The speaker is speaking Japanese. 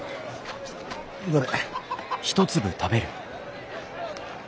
どれ。